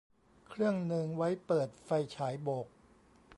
เครื่องนึงไว้เปิดไฟฉายโบก